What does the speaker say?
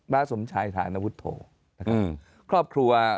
บ้าสมชายธานวุฒโธอืมครอบครัว